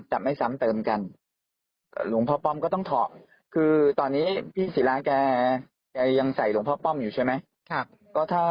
หลวงพ่อป้อมก็ต้องถอดคือตอนนี้พี่ศิลาแกยังใส่หลวงพ่อป้อมอยู่ใช่ไหม